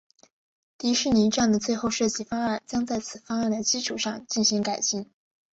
迪士尼站的最后设计方案将在此方案的基础上进行改进。